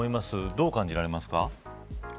どう感じられますか。